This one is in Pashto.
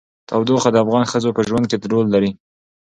تودوخه د افغان ښځو په ژوند کې رول لري.